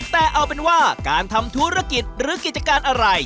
แต่เอาเป็นว่าการทำธุรกิจหรือกิจการอะไร